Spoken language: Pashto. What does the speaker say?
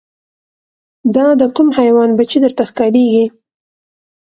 دا د کوم حیوان بچی درته ښکاریږي